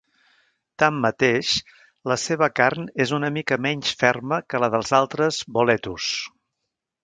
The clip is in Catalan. Tanmateix, la seva carn és una mica menys ferma que la dels altres boletus.